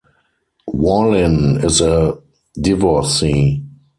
Wallin is a divorcee.